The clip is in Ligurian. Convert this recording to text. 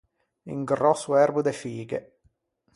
Un gròsso erbo de fighe.